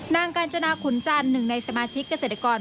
กาญจนาขุนจันทร์หนึ่งในสมาชิกเกษตรกร